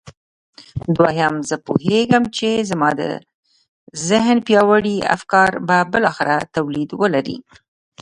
دويم زه پوهېږم چې زما د ذهن پياوړي افکار به بالاخره توليد ولري.